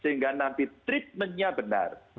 sehingga nanti treatment nya benar